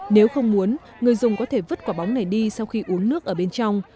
nếu không muốn người dùng có thể vứt quả bóng này đi sau khi uống nước ở bên trong